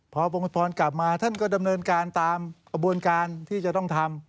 พอองค์พรกลับมาท่านก็ดำเนินการตามกระบวนการที่จะต้องทำ